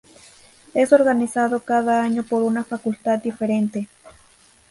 Es organizado cada año por una Facultad diferente.